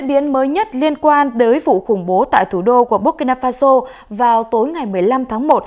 diễn biến mới nhất liên quan đến vụ khủng bố tại thủ đô của burkina faso vào tối ngày một mươi năm tháng một